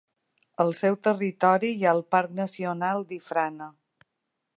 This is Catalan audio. Al seu territori hi ha el parc nacional d'Ifrane.